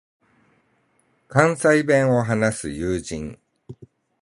関西弁を話す友人